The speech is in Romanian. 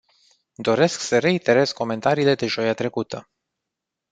Doresc să reiterez comentariile de joia trecută.